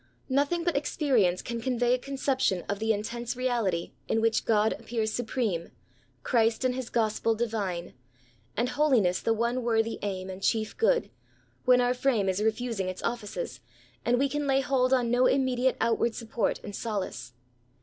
Nothing but experience can convey a conception of the intense reality in which God appears supreme, Christ and his gospel divine, and holiness the one worthy aim and chief good,, when our frame is refrising its offices, and we can lay hold on no immediate outward support and solace.